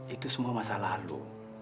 itu semua masa lalu